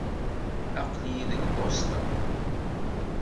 Aql-iyi deg Boston.